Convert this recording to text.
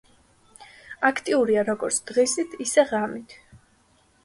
აქტიურია როგორც დღისით, ისე ღამით.